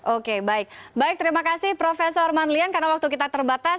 oke baik baik terima kasih prof manlian karena waktu kita terbatas